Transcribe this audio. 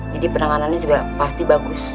jadi penanganannya juga pasti bagus